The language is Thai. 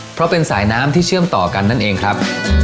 เพราะเป็นสายน้ำที่เชื่อมต่อกันนั่นเองครับ